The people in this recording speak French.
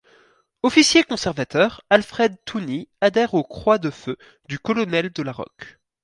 Officier conservateur, Alfred Touny adhère aux Croix-de-Feu du colonel de La Rocque.